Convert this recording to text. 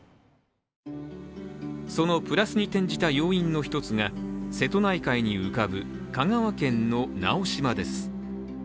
そのプラスに転じた要因の一つが瀬戸内海に浮かぶ香川県の直島です。